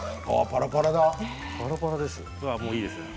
パラパラですよ。